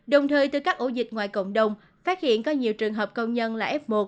đồng thời từ các ổ dịch ngoài cộng đồng phát hiện có nhiều trường hợp công nhân là f một